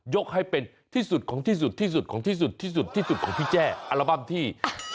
ยกให้เป็นที่สุดของที่สุดที่สุดของที่สุดที่สุดของพี่แจ้อัลบั้มที่